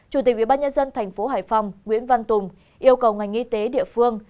chủ tịch ubnd thành phố hải phòng nguyễn văn tùng yêu cầu ngành y tế địa phương